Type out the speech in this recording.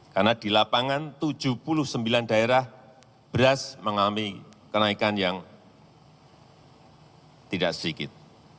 karena di lapangan tujuh puluh sembilan daerah beras mengalami kenaikan yang tidak sedikit